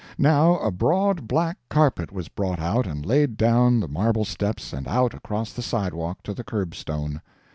Now a broad black carpet was brought out and laid down the marble steps and out across the sidewalk to the curbstone.